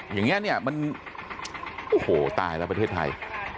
อย่างนี้เนี่ยมันโอ้โหตายแล้วประเทศไทย